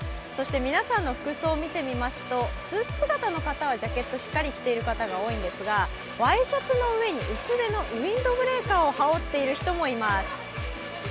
皆さんの服装を見てみますとスーツ姿の方はジャケット、しっかり着ている方が多いんですがワイシャツの上に薄手のウインドブレーカーを羽織っている人もいます。